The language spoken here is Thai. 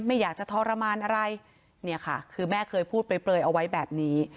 ไม่อยากจะทรมานอะไรเนี่ยค่ะคือแม่เคยพูดเปลยเอาไว้แบบนี้